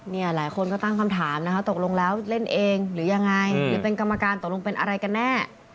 นี่หลายคนต้องตามว่ากรรมการเล่นไงครับ